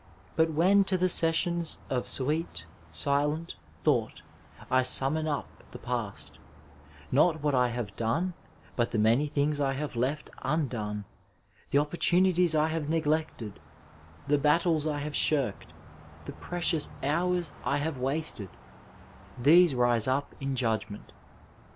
But when to the sessions of sweet, silent thought I summon up the past, not what I have done but the many things I have left undone, the oppor tunities I have neglected, the battles I have shirked, the precious hours I have wasted — ^these rise up in judgment.